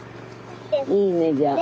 いいねじゃあ。